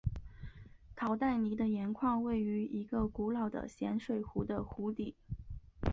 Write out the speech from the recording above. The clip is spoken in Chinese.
陶代尼的盐矿位于一个古老的咸水湖的湖底。